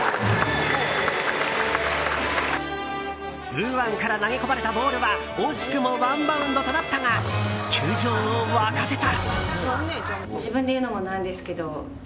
右腕から投げ込まれたボールは惜しくもワンバウンドとなったが球場を沸かせた。